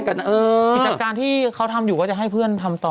กิจการที่เขาทำอยู่ก็จะให้เพื่อนทำต่อ